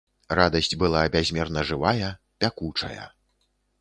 Радасць была бязмерна жывая, пякучая.